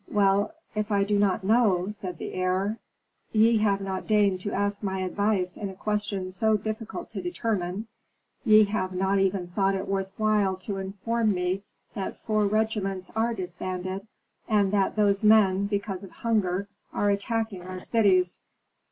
"Well, if I do not know?" said the heir. "Ye have not deigned to ask my advice in a question so difficult to determine, ye have not even thought it worth while to inform me that four regiments are disbanded, and that those men, because of hunger, are attacking our cities."